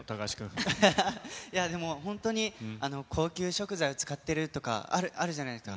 でも、本当に、高級食材を使ってるとか、あるじゃないですか。